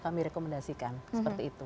kami rekomendasikan seperti itu